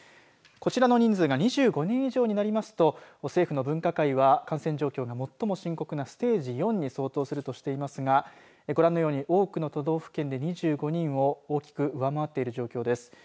こちらの人数が２５人以上になると政府の分科会は感染状況が最も深刻なステージ４に相当するとしていますがご覧のように多くの都道府県で２５人を大きく上回っている状況です。